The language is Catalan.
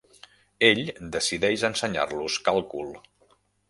Ell decideix ensenyar-los càlcul.